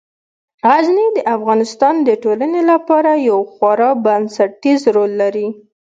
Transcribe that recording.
غزني د افغانستان د ټولنې لپاره یو خورا بنسټيز رول لري.